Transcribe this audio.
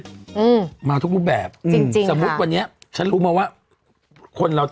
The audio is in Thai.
อืมจริงค่ะมาทุกรูปแบบสมมุติวันนี้ฉันรู้มาว่า